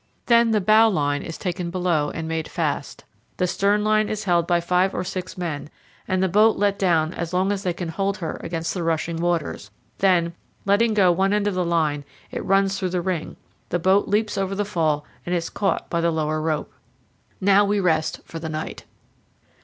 Then the bowline is taken below and made fast; the stern line is held by five or six men, and the boat let down as long as they can hold her against the rushing waters; then, letting go one end of the line, it runs through the ring; the boat leaps over the fall and is caught by the lower rope. Now we rest for the night.